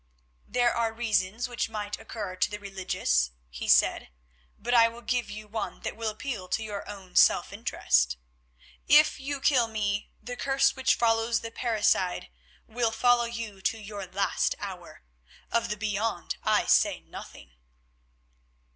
"There are reasons which might occur to the religious," he said, "but I will give you one that will appeal to your own self interest. If you kill me, the curse which follows the parricide will follow you to your last hour—of the beyond I say nothing."